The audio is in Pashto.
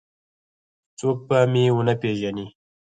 چې څوک به مې ونه پېژني.